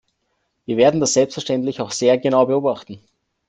Wir werden das selbstverständlich auch sehr genau beobachten.